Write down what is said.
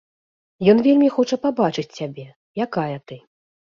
Ён вельмі хоча пабачыць цябе, якая ты.